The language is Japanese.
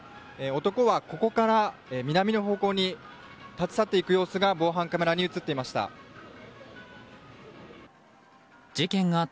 男はここから南の方向に立ち去っていく様子が防犯カメラに映っていました。